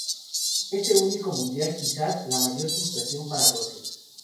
Ese, su único Mundial, quizás la mayor frustración para Rossi.